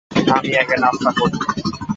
আমি আগে নাস্তা করব।